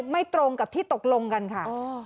ไม่ตรงกับที่ตกลงกันค่ะ